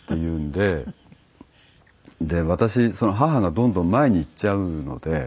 私母がどんどん前に行っちゃうので。